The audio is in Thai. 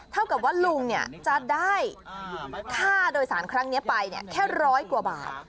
เท่ากับว่าลุงจะได้ค่าโดยสารครั้งนี้ไปแค่ร้อยกว่าบาท